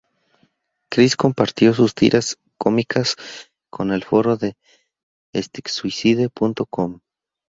Kris compartió sus tiras cómicas con el foro de Sticksuicide.com.